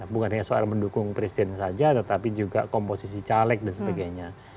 bukan hanya soal mendukung presiden saja tetapi juga komposisi caleg dan sebagainya